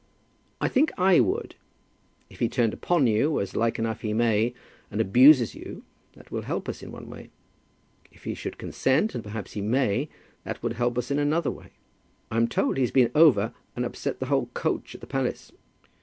"I think I would. If he turns upon you, as like enough he may, and abuses you, that will help us in one way. If he should consent, and perhaps he may, that would help us in the other way. I'm told he's been over and upset the whole coach at the palace."